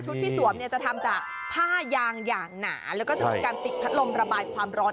ที่สวมเนี่ยจะทำจากผ้ายางอย่างหนาแล้วก็จะมีการติดพัดลมระบายความร้อน